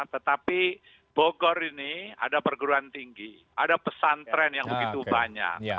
tetapi bogor ini ada pergeruan tinggi ada pesan tren yang begitu banyak